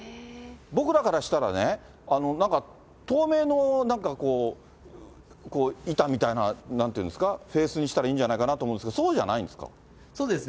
僕らからしたらね、なんか透明の板みたいな、なんていうんですか、フェースにしたらいいんじゃないかなと思うんですけど、そうじゃそうですね。